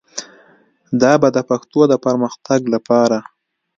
دا به د پښتو د پرمختګ لپاره